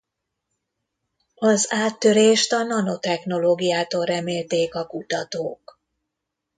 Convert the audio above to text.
Az áttörést a nanotechnológiától remélték a kutatók.